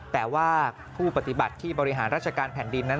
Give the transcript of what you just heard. แต่ว่าผู้ปฏิบัติที่บริหารราชการแผ่นดินนั้น